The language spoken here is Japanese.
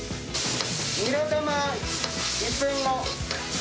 ニラ玉、１分後。